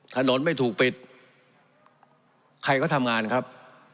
ถนนไม่ถูกปิดใครก็ทำงานครับ